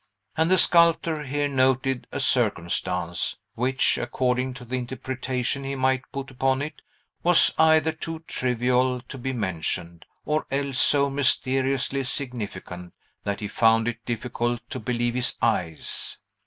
And the sculptor here noted a circumstance, which, according to the interpretation he might put upon it, was either too trivial to be mentioned, or else so mysteriously significant that he found it difficult to believe his eyes.